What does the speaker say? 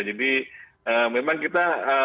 jadi memang kita